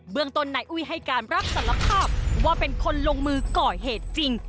เมืองต้นนายอุ้ยให้การรับสารภาพว่าเป็นคนลงมือก่อเหตุจริง